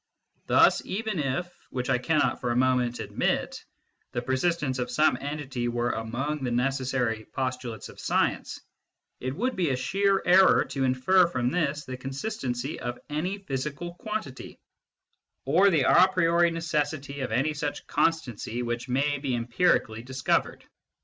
Thus even if (which I cannot for a moment admit) the persistence of some entity were among the necessary postulates of science, it would be a sheer error to infer from this the constancy of any physical quantity, or the a priori necessity of any such constancy which may be empirically discovered.